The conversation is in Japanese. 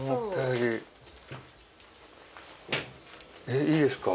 えっいいですか？